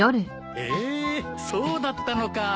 へえそうだったのか。